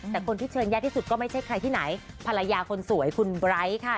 แต่คนที่เชิญยากที่สุดก็ไม่ใช่ใครที่ไหนภรรยาคนสวยคุณไบร์ทค่ะ